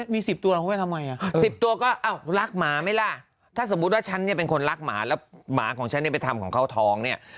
มี๑๐ตัวแล้วคุณแม่ทำไม๑๐ตัวก็รักหมาไหมล่ะถ้าสมมุติว่าฉันเนี่ยเป็นคนรักหมาแล้วหมาของฉันเนี่ยไปทำของเขาท้องเนี่ย